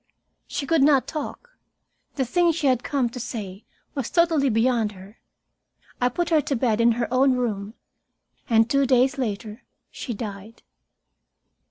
She could not talk. The thing she had come to say was totally beyond her. I put her to bed in her own room. And two days later she died.